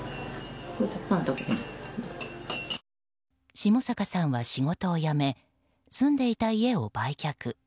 下坂さんは仕事を辞め住んでいた家を売却。